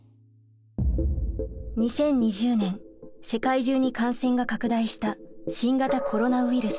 ２０２０年世界中に感染が拡大した新型コロナウイルス。